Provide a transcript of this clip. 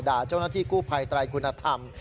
ด่าเจ้าหน้าที่กู้ภัยไตรคุณธรรม